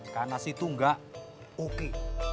karena situ nggak oke